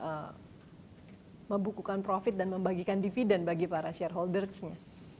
tentunya ya membukukan profit dan membagikan dividen bagi para shareholders nya